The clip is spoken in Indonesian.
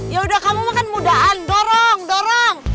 yaudah kamu makan mudaan dorong dorong